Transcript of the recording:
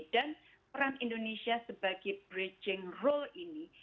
dan peran indonesia sebagai bridging role ini